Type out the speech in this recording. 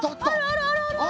あるあるあるある。